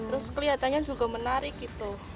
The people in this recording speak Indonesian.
terus kelihatannya juga menarik gitu